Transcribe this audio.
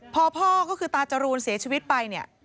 พอพ่อก็คือตาจรูนเสียชีวิตไปเนี่ย